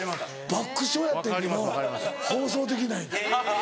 爆笑やってんけど放送できない。